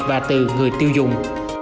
và từ người tiêu dùng